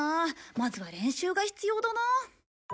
まずは練習が必要だな。